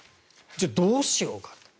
じゃあ、どうしようかと。